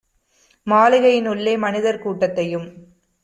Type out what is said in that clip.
மாளிகையி னுள்ளே மனிதர் கூட்டத்தையும்